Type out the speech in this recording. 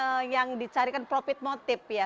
orang orang yang dicarikan profit motif ya